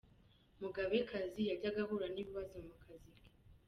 Mugabekazi yajyaga ahura n’ibibazo mu kazi ke.